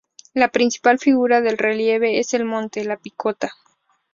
La principal figura del relieve es el monte "La Picota".